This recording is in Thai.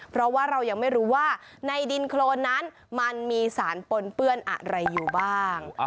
เพราะว่าเรายังไม่รู้ว่าในดินโครนนั้นมันมีสารปนเปื้อนอะไรอยู่บ้าง